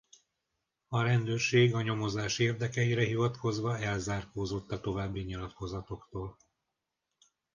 A rendőrség a nyomozás érdekeire hivatkozva elzárkózott a további nyilatkozatoktól.